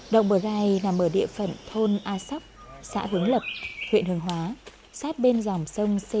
động bờ gai nằm ở địa phận thôn a sóc xã hướng lập huyện hường hóa sát bên dòng sê băng hiền